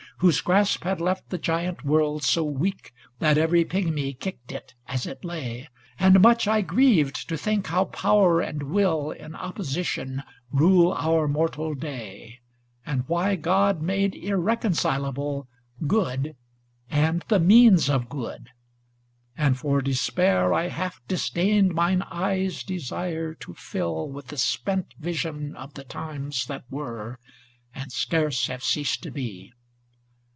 Whose grasp had left the giant world so weak That every pigmy kicked it as it lay; And much I grieved to think how power and will In opposition rule our mortal day, And why God made irreconcilable 230 Good and the means of good; and for de spair I half disdained mine eyes' desire to fill With the spent vision of the times that were And scarce have ceased to be.